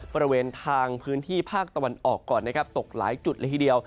บริเวณทางพื้นที่ภาคตะวันออกก่อนนะครับตกหลายจุดเลยทีเดียว